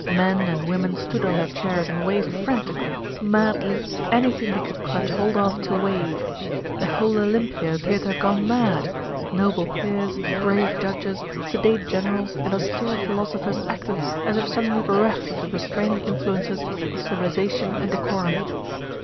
Men and women stood on their chairs and waved frantically, madly, anything they could clutch hold of to wave. The whole Olympia appeared to have gone mad. Noble peers, grave judges, sedate generals and austere philosophers acted as if suddenly bereft of the restaining influences of civilisation and decorum.